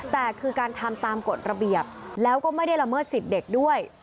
แต่คือการทำตามกฎระเบียบแล้วก็ไม่ได้ละเมิดสิทธิ์เด็กด้วย